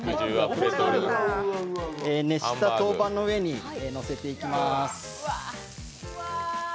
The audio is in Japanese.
熱した陶板の上にのせていきます。